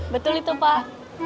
betul itu pak